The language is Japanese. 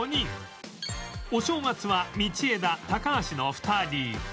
お正月は道枝高橋の２人